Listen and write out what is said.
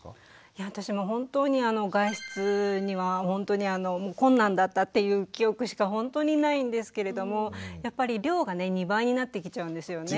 いや私も本当に外出には本当に困難だったっていう記憶しか本当にないんですけれどもやっぱり量がね２倍になってきちゃうんですよね。